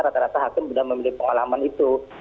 rata rata hakim sudah memiliki pengalaman itu